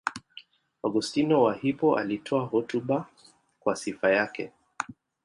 Augustino wa Hippo alitoa hotuba kwa sifa yake.